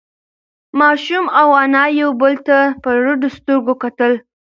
ماشوم او انا یو بل ته په رډو سترگو کتل.